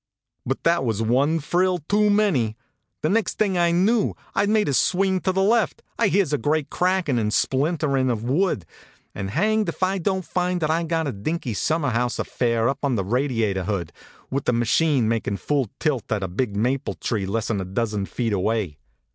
But that was one frill too many! Next thing I knew I d made a swing to the left, I hears a great crackin and splin terin of wood, and hanged if I don t find that I ve got that dinky summer house af fair up on the radiator hood, with the ma chine makin full tilt at a big maple tree less n a dozen feet away.